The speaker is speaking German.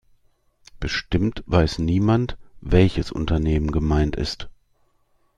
Bestimmt weiß niemand, welches Unternehmen gemeint ist.